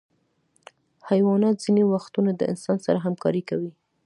حیوانات ځینې وختونه د انسان سره همکاري کوي.